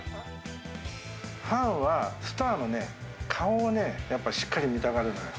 ファンはスターのね、顔をね、やっぱりしっかり見たがるのよ。